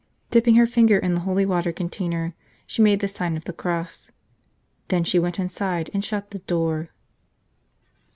Dipping her finger in the holy water container, she made the sign of the cross. Then she went inside and shut the door.